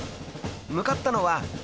［向かったのは１階］